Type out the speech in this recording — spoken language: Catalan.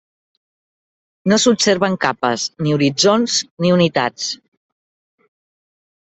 No s'observen capes ni horitzons ni unitats.